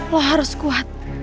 lo harus kuat